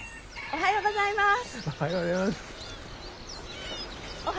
おはようございます。